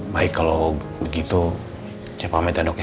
baik kalau begitu saya pamit ya dok ya